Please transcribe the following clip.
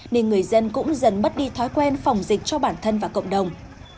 nên người dân cũng dần mất đi thói quen phòng dịch cho bản thân và cộng đồng